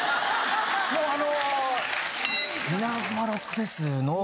もうあの。